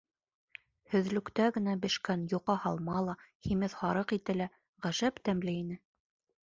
Һөҙлөктә генә бешкән йоҡа һалма ла, һимеҙ һарыҡ ите лә ғәжәп тәмле ине.